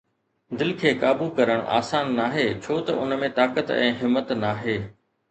دل کي قابو ڪرڻ آسان ناهي ڇو ته ان ۾ طاقت ۽ همت ناهي